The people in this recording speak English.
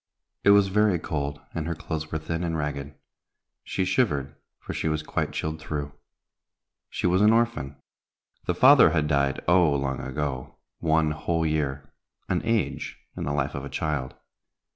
It was very cold, and her clothes were thin and ragged. She shivered, for she was quite chilled through. She was an orphan. The father had died, oh! long ago, one whole year, an age in the life of a child.